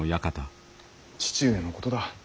父上のことだ。